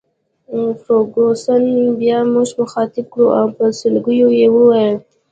فرګوسن بیا موږ مخاطب کړو او په سلګیو یې وویل.